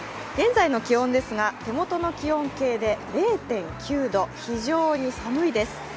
現在の気温、手元の気温計で０．９度非常に寒いです。